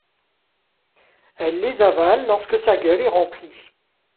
Elle les avale lorsque sa gueule est remplie.